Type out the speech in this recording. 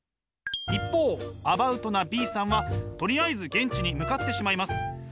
一方アバウトなＢさんはとりあえず現地に向かってしまいます。